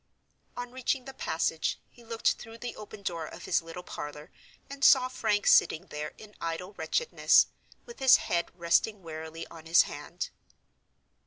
On reaching the passage, he looked through the open door of his little parlor and saw Frank sitting there in idle wretchedness, with his head resting wearily on his hand.